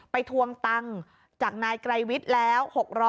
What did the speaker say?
ทวงตังค์จากนายไกรวิทย์แล้ว